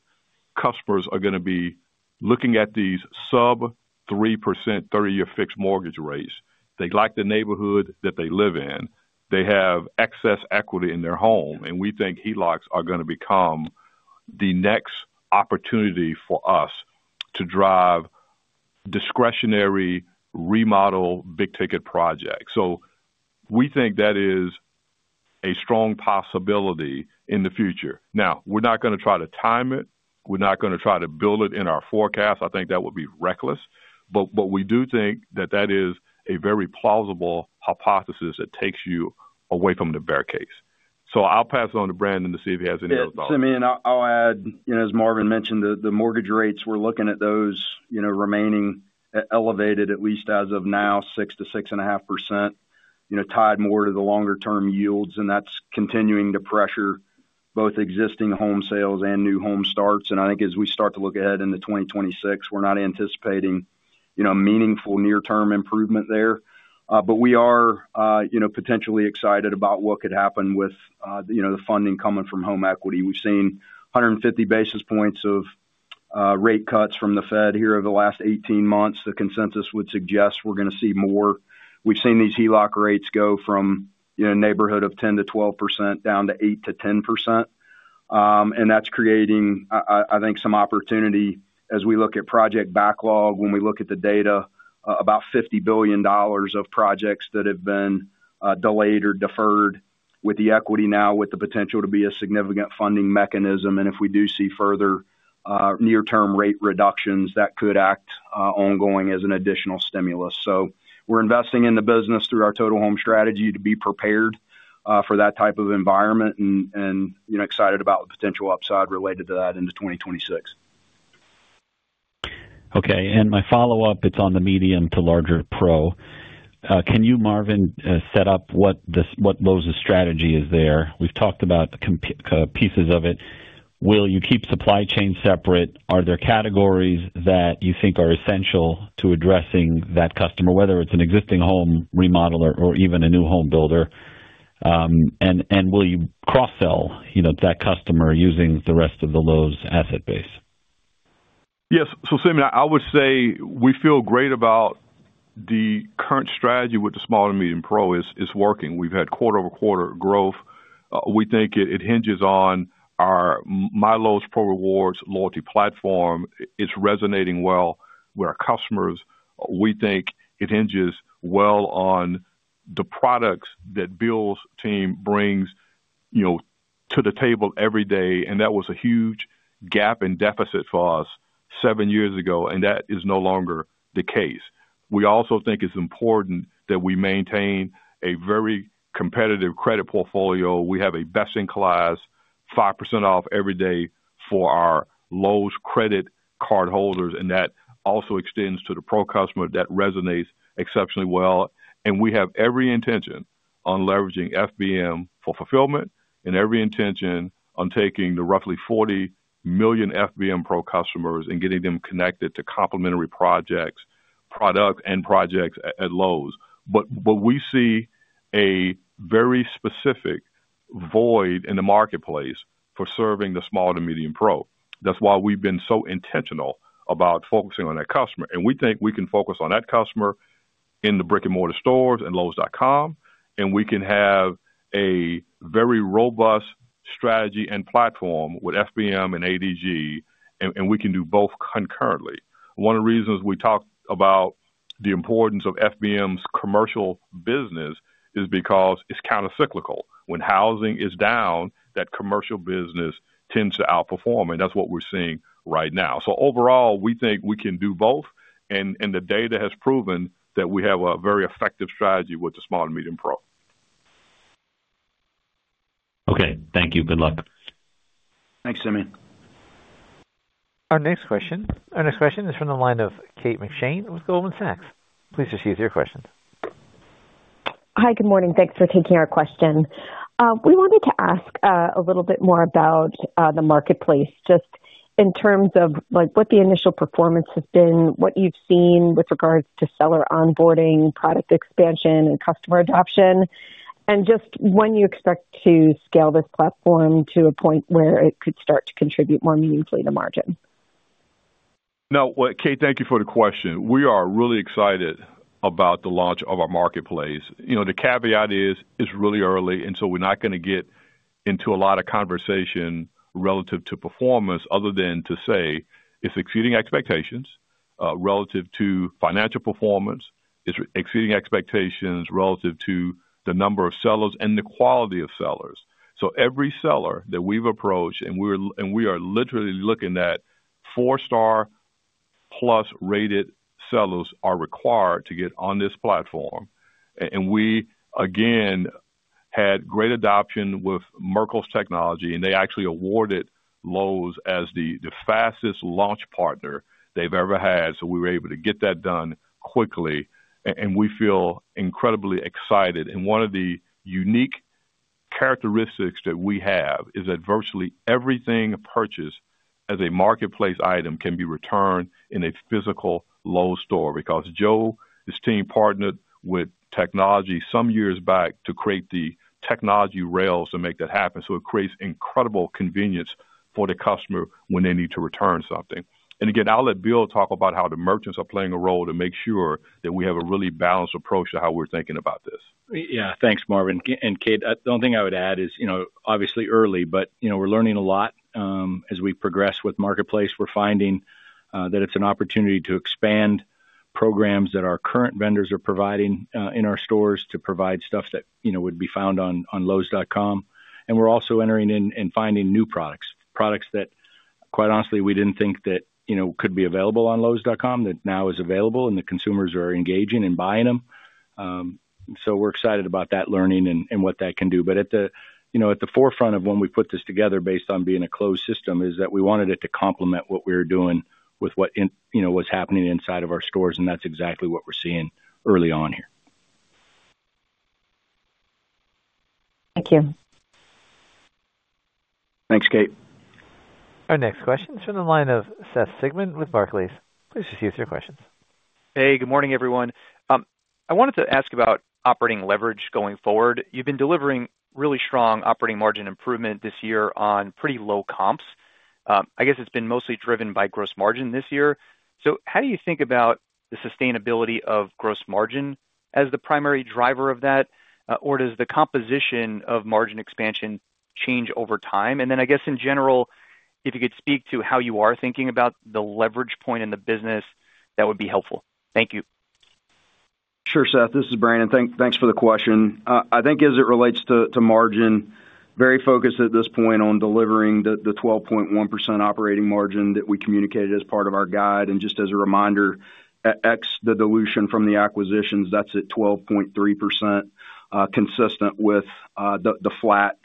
customers are going to be looking at these sub-3% 30-year fixed mortgage rates. They like the neighborhood that they live in. They have excess equity in their home. We think HELOCs are going to become the next opportunity for us to drive discretionary remodel big-ticket projects. We think that is a strong possibility in the future. Now, we're not going to try to time it. We're not going to try to build it in our forecast. I think that would be reckless. We do think that that is a very plausible hypothesis that takes you away from the bear case. I'll pass it on to Brandon to see if he has any other thoughts. Yeah, Simeon, I'll add, as Marvin mentioned, the mortgage rates, we're looking at those remaining elevated, at least as of now, 6-6.5%, tied more to the longer-term yields. That's continuing to pressure both existing home sales and new home starts. I think as we start to look ahead into 2026, we're not anticipating meaningful near-term improvement there. We are potentially excited about what could happen with the funding coming from home equity. We've seen 150 basis points of rate cuts from the Fed here over the last 18 months. The consensus would suggest we're going to see more. We've seen these HELOC rates go from a neighborhood of 10-12% down to 8-10%. That's creating, I think, some opportunity as we look at project backlog. When we look at the data, about $50 billion of projects that have been delayed or deferred with the equity now with the potential to be a significant funding mechanism. If we do see further near-term rate reductions, that could act ongoing as an additional stimulus. We are investing in the business through our Total Home Strategy to be prepared for that type of environment and excited about the potential upside related to that into 2026. Okay. My follow-up, it's on the medium to larger pro. Can you, Marvin, set up what Lowe's strategy is there? We've talked about pieces of it. Will you keep supply chain separate? Are there categories that you think are essential to addressing that customer, whether it's an existing home remodeler or even a new home builder? Will you cross-sell that customer using the rest of the Lowe's asset base? Yes. Simeon, I would say we feel great about the current strategy with the small to medium pro is working. We've had quarter-over-quarter growth. We think it hinges on our MyLowe's Pro Rewards loyalty platform. It's resonating well with our customers. We think it hinges well on the products that Bill's team brings to the table every day. That was a huge gap and deficit for us seven years ago, and that is no longer the case. We also think it's important that we maintain a very competitive credit portfolio. We have a best in class, 5% off every day for our Lowe's credit cardholders. That also extends to the pro customer. That resonates exceptionally well. We have every intention on leveraging FBM for fulfillment and every intention on taking the roughly 40 million FBM pro customers and getting them connected to complementary projects, product, and projects at Lowe's. We see a very specific void in the marketplace for serving the small to medium pro. That is why we have been so intentional about focusing on that customer. We think we can focus on that customer in the brick-and-mortar stores and Lowe's.com. We can have a very robust strategy and platform with FBM and ADG, and we can do both concurrently. One of the reasons we talk about the importance of FBM's commercial business is because it is countercyclical. When housing is down, that commercial business tends to outperform. That is what we are seeing right now. Overall, we think we can do both. The data has proven that we have a very effective strategy with the small to medium pro. Okay. Thank you. Good luck. Thanks, Simeon. Our next question is from the line of Kate McShane with Goldman Sachs. Please proceed with your questions. Hi, good morning. Thanks for taking our question. We wanted to ask a little bit more about the marketplace, just in terms of what the initial performance has been, what you've seen with regards to seller onboarding, product expansion, and customer adoption, and just when you expect to scale this platform to a point where it could start to contribute more meaningfully to margin. No, Kate, thank you for the question. We are really excited about the launch of our marketplace. The caveat is it's really early, and we are not going to get into a lot of conversation relative to performance other than to say it's exceeding expectations relative to financial performance. It's exceeding expectations relative to the number of sellers and the quality of sellers. Every seller that we've approached, and we are literally looking at four-star plus rated sellers, are required to get on this platform. We, again, had great adoption with Merkle's technology, and they actually awarded Lowe's as the fastest launch partner they've ever had. We were able to get that done quickly, and we feel incredibly excited. One of the unique characteristics that we have is that virtually everything purchased as a marketplace item can be returned in a physical Lowe's store because Joe and his team partnered with technology some years back to create the technology rails to make that happen. It creates incredible convenience for the customer when they need to return something. Again, I'll let Bill talk about how the merchants are playing a role to make sure that we have a really balanced approach to how we're thinking about this. Yeah, thanks, Marvin. Kate, the only thing I would add is obviously early, but we're learning a lot as we progress with marketplace. We're finding that it's an opportunity to expand programs that our current vendors are providing in our stores to provide stuff that would be found on Lowes.com. We're also entering in and finding new products, products that, quite honestly, we didn't think that could be available on Lowes.com that now is available, and the consumers are engaging and buying them. We are excited about that learning and what that can do. At the forefront of when we put this together based on being a closed system is that we wanted it to complement what we were doing with what was happening inside of our stores. That's exactly what we're seeing early on here. Thank you. Thanks, Kate. Our next question is from the line of Seth Sigman with Barclays. Please proceed with your questions. Hey, good morning, everyone. I wanted to ask about operating leverage going forward. You've been delivering really strong operating margin improvement this year on pretty low comps. I guess it's been mostly driven by gross margin this year. How do you think about the sustainability of gross margin as the primary driver of that, or does the composition of margin expansion change over time? I guess, in general, if you could speak to how you are thinking about the leverage point in the business, that would be helpful. Thank you. Sure, Seth. This is Brandon. Thanks for the question. I think as it relates to margin, very focused at this point on delivering the 12.1% operating margin that we communicated as part of our guide. Just as a reminder, ex the dilution from the acquisitions, that's at 12.3%, consistent with the flat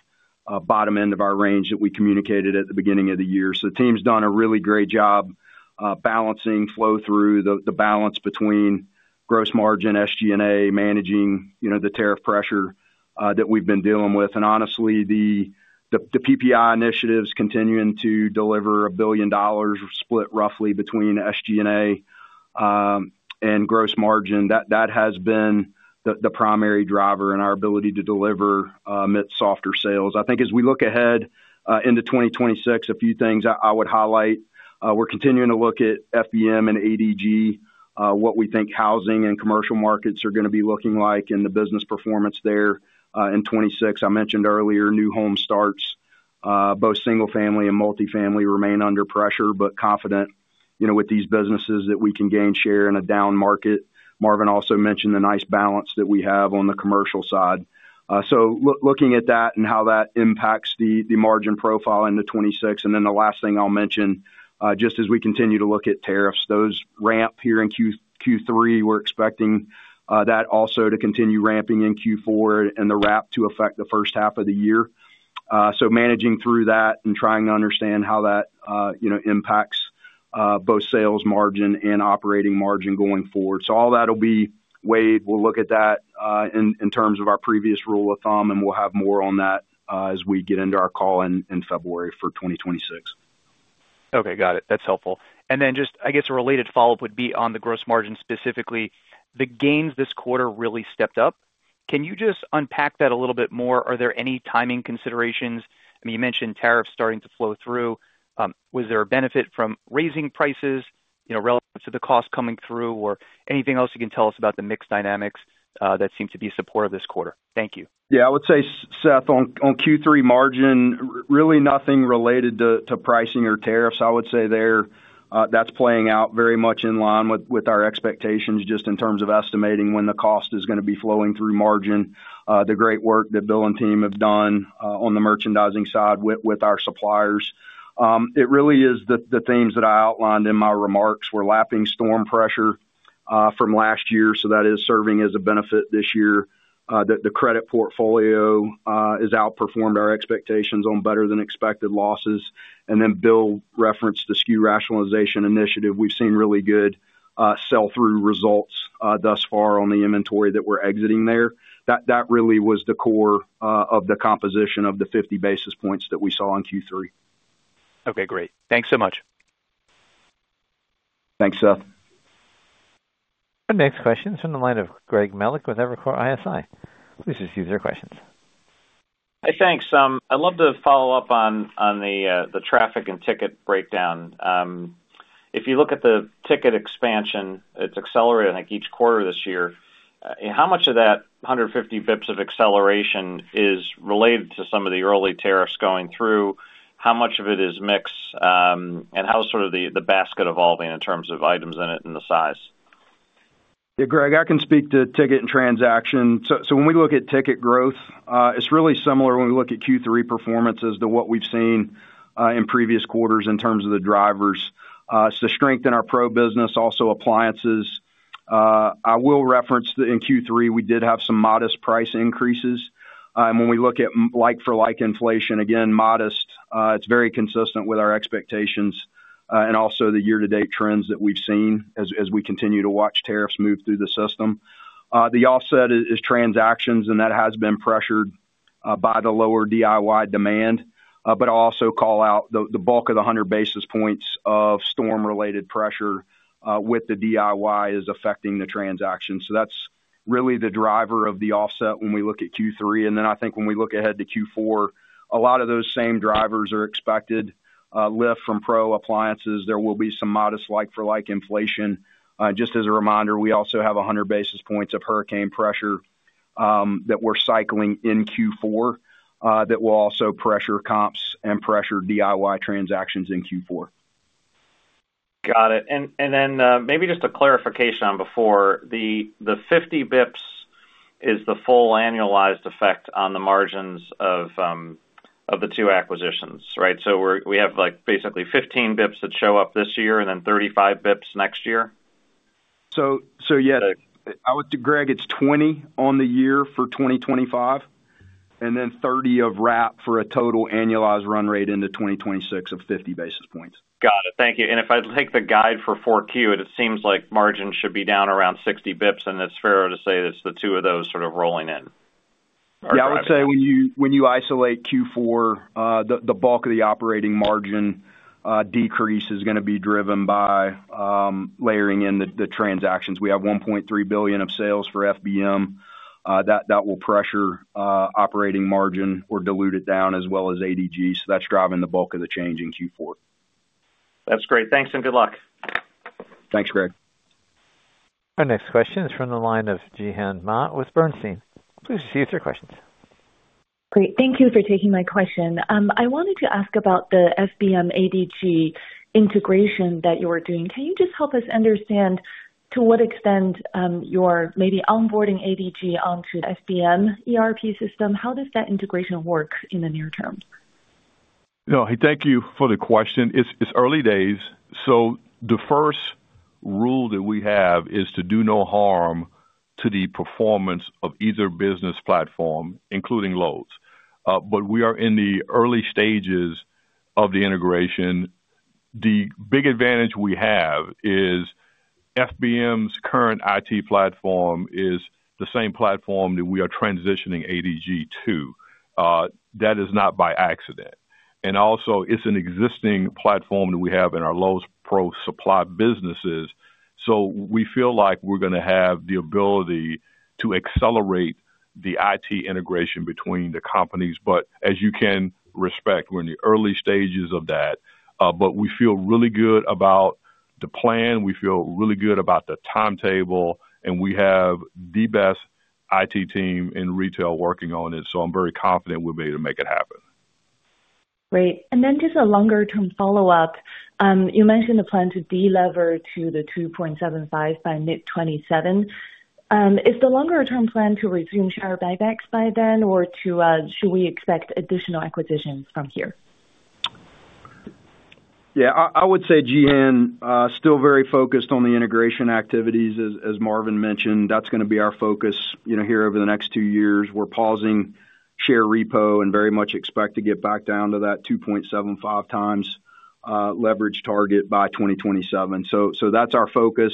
bottom end of our range that we communicated at the beginning of the year. The team's done a really great job balancing flow through the balance between gross margin, SG&A, managing the tariff pressure that we've been dealing with. Honestly, the PPI initiatives continuing to deliver a billion dollars split roughly between SG&A and gross margin, that has been the primary driver in our ability to deliver mid-softer sales. I think as we look ahead into 2026, a few things I would highlight. We're continuing to look at FBM and ADG, what we think housing and commercial markets are going to be looking like and the business performance there in 2026. I mentioned earlier new home starts, both single-family and multi-family remain under pressure, but confident with these businesses that we can gain share in a down market. Marvin also mentioned the nice balance that we have on the commercial side. Looking at that and how that impacts the margin profile into 2026. The last thing I'll mention, just as we continue to look at tariffs, those ramp here in Q3, we're expecting that also to continue ramping in Q4 and the wrap to affect the first half of the year. Managing through that and trying to understand how that impacts both sales margin and operating margin going forward. All that will be weighed. We'll look at that in terms of our previous rule of thumb, and we'll have more on that as we get into our call in February for 2026. Okay. Got it. That's helpful. I guess a related follow-up would be on the gross margin specifically. The gains this quarter really stepped up. Can you just unpack that a little bit more? Are there any timing considerations? I mean, you mentioned tariffs starting to flow through. Was there a benefit from raising prices relative to the cost coming through, or anything else you can tell us about the mixed dynamics that seem to be supportive this quarter? Thank you. Yeah, I would say, Seth, on Q3 margin, really nothing related to pricing or tariffs. I would say that's playing out very much in line with our expectations just in terms of estimating when the cost is going to be flowing through margin. The great work that Bill and team have done on the merchandising side with our suppliers. It really is the themes that I outlined in my remarks. We're lapping storm pressure from last year, so that is serving as a benefit this year. The credit portfolio has outperformed our expectations on better-than-expected losses. Then Bill referenced the SKU rationalization initiative. We've seen really good sell-through results thus far on the inventory that we're exiting there. That really was the core of the composition of the 50 basis points that we saw in Q3. Okay. Great. Thanks so much. Thanks, Seth. Our next question is from the line of Greg Melich with Evercore ISI. Please proceed with your questions. Hey, thanks. I'd love to follow up on the traffic and ticket breakdown. If you look at the ticket expansion, it's accelerated, I think, each quarter this year. How much of that 150 basis points of acceleration is related to some of the early tariffs going through? How much of it is mixed? How's sort of the basket evolving in terms of items in it and the size? Yeah, Greg, I can speak to ticket and transaction. When we look at ticket growth, it's really similar when we look at Q3 performance as to what we've seen in previous quarters in terms of the drivers. It's to strengthen our pro business, also appliances. I will reference that in Q3, we did have some modest price increases. When we look at like-for-like inflation, again, modest, it's very consistent with our expectations and also the year-to-date trends that we've seen as we continue to watch tariffs move through the system. The offset is transactions, and that has been pressured by the lower DIY demand. I'll also call out the bulk of the 100 basis points of storm-related pressure with the DIY is affecting the transactions. That's really the driver of the offset when we look at Q3. I think when we look ahead to Q4, a lot of those same drivers are expected lift from pro appliances. There will be some modest like-for-like inflation. Just as a reminder, we also have 100 basis points of hurricane pressure that we're cycling in Q4 that will also pressure comps and pressure DIY transactions in Q4. Got it. Maybe just a clarification on before, the 50 basis points is the full annualized effect on the margins of the two acquisitions, right? We have basically 15 basis points that show up this year and then 35 basis points next year? Yes, Greg, it's 20 on the year for 2025, and then 30 of wrap for a total annualized run rate into 2026 of 50 basis points. Got it. Thank you. If I take the guide for Q4, it seems like margin should be down around 60 basis points, and it's fair to say that's the two of those sort of rolling in. Yeah, I would say when you isolate Q4, the bulk of the operating margin decrease is going to be driven by layering in the transactions. We have $1.3 billion of sales for FBM. That will pressure operating margin or dilute it down as well as ADG. So that's driving the bulk of the change in Q4. That's great. Thanks and good luck. Thanks, Greg. Our next question is from the line of Zhihan Ma with Bernstein. Please proceed with your questions. Great. Thank you for taking my question. I wanted to ask about the FBM-ADG integration that you are doing. Can you just help us understand to what extent you're maybe onboarding ADG onto the FBM-ERP system? How does that integration work in the near term? No, thank you for the question. It's early days. The first rule that we have is to do no harm to the performance of either business platform, including Lowe's. We are in the early stages of the integration. The big advantage we have is FBM's current IT platform is the same platform that we are transitioning ADG to. That is not by accident. Also, it's an existing platform that we have in our Lowe's Pro Supply businesses. We feel like we're going to have the ability to accelerate the IT integration between the companies. As you can respect, we're in the early stages of that. We feel really good about the plan. We feel really good about the timetable, and we have the best IT team in retail working on it. I am very confident we'll be able to make it happen. Great. Then just a longer-term follow-up. You mentioned a plan to de-level to the 2.75 by mid-2027. Is the longer-term plan to resume share buybacks by then, or should we expect additional acquisitions from here? Yeah, I would say Zhihan, still very focused on the integration activities, as Marvin mentioned. That's going to be our focus here over the next two years. We're pausing share repo and very much expect to get back down to that 2.75 times leverage target by 2027. That's our focus.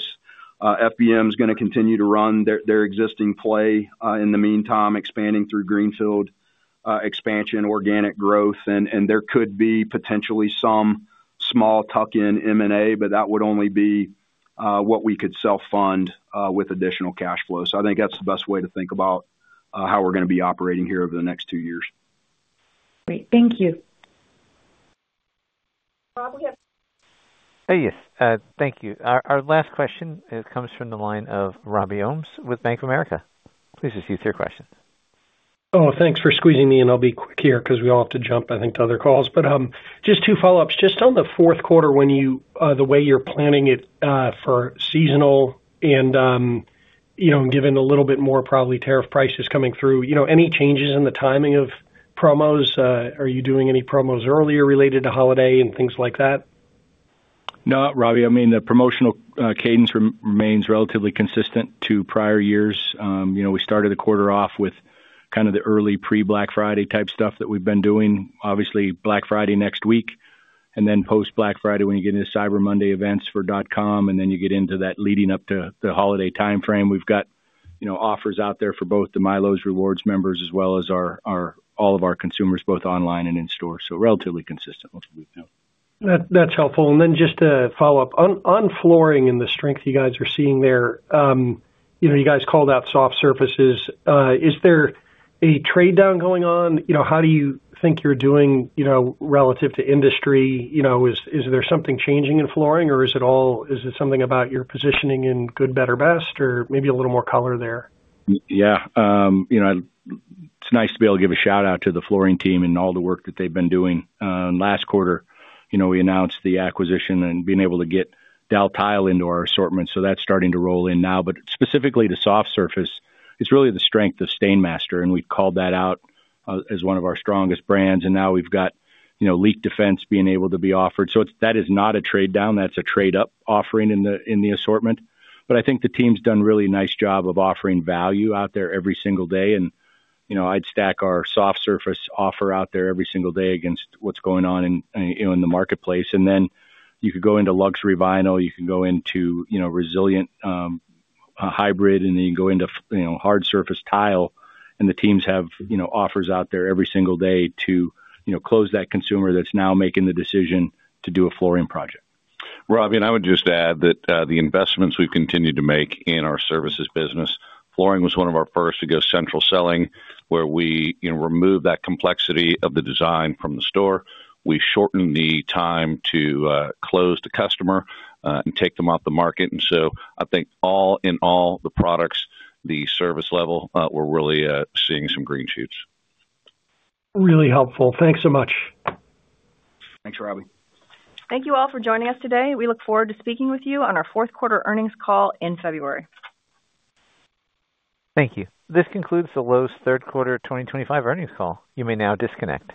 FBM is going to continue to run their existing play in the meantime, expanding through Greenfield expansion, organic growth. There could be potentially some small tuck-in M&A, but that would only be what we could self-fund with additional cash flow. I think that's the best way to think about how we're going to be operating here over the next two years. Great. Thank you. Hey, yes. Thank you. Our last question comes from the line of Robbie Ohmes with Bank of America. Please proceed with your question. Oh, thanks for squeezing me in. I'll be quick here because we all have to jump, I think, to other calls. Just two follow-ups. Just on the fourth quarter, the way you're planning it for seasonal and given a little bit more probably tariff prices coming through, any changes in the timing of promos? Are you doing any promos earlier related to holiday and things like that? Not, Robbie. I mean, the promotional cadence remains relatively consistent to prior years. We started the quarter off with kind of the early pre-Black Friday type stuff that we've been doing. Obviously, Black Friday next week, and then post-Black Friday when you get into Cyber Monday events [for dot com], and then you get into that leading up to the holiday timeframe. We've got offers out there for both the MyLowe's Rewards members as well as all of our consumers, both online and in store. Relatively consistent with what we've done. That's helpful. Just to follow up on flooring and the strength you guys are seeing there, you guys called out soft surfaces. Is there a trade-down going on? How do you think you're doing relative to industry? Is there something changing in flooring, or is it something about your positioning in good, better, best, or maybe a little more color there? Yeah. It's nice to be able to give a shout-out to the flooring team and all the work that they've been doing. Last quarter, we announced the acquisition and being able to get Dow Tile into our assortment. That's starting to roll in now. Specifically to soft surface, it's really the strength of STAINMASTER. We called that out as one of our strongest brands. Now we've got leak defense being able to be offered. That is not a trade-down. That's a trade-up offering in the assortment. I think the team's done a really nice job of offering value out there every single day. I'd stack our soft surface offer out there every single day against what's going on in the marketplace. You could go into luxury vinyl. You can go into resilient hybrid, and then you can go into hard surface tile. The teams have offers out there every single day to close that consumer that's now making the decision to do a flooring project. Robbie, I would just add that the investments we've continued to make in our services business, flooring was one of our first to go central selling, where we removed that complexity of the design from the store. We shortened the time to close the customer and take them off the market. I think all in all, the products, the service level, we're really seeing some green shoots. Really helpful. Thanks so much. Thanks, Robbie. Thank you all for joining us today. We look forward to speaking with you on our fourth quarter earnings call in February. Thank you. This concludes the Lowe's third quarter 2025 earnings call. You may now disconnect.